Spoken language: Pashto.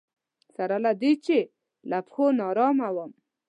سره له دې چې له پښو ناارامه وم.